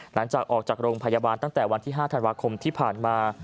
หลังจากออกจากโรงพยาบาลตั้งแต่วันที่๕ธันวาคมที่ผ่านมา